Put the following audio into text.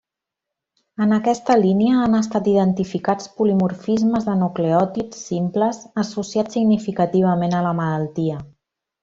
En aquesta línia han estat identificats polimorfismes de nucleòtids simples associats significativament a la malaltia.